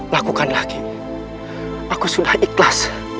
lakukan lagi aku sudah ikhlas